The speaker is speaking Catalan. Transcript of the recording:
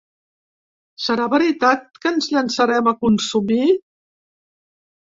Serà veritat que ens llançarem a consumir?